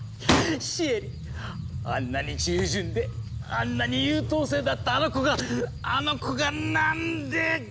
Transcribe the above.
シエリあんなに従順であんなに優等生だったあの子があの子がなんで！